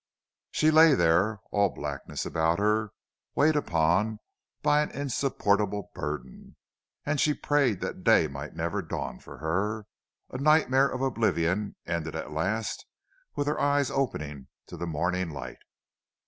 She lay there, all blackness about her, weighed upon by an insupportable burden; and she prayed that day might never dawn for her; a nightmare of oblivion ended at last with her eyes opening to the morning light.